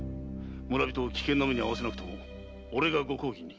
村人を危険な目に遭わせなくても俺がご公儀に。